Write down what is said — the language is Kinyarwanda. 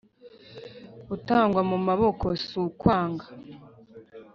utangwa mu maboko, sinkwanga,